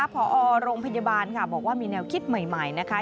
พอโรงพยาบาลค่ะบอกว่ามีแนวคิดใหม่นะคะ